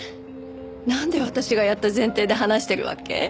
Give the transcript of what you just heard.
なんで私がやった前提で話してるわけ？